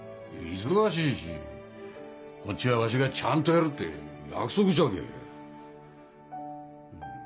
忙しいしこっちはわしがちゃんとやるって約束したけぇ。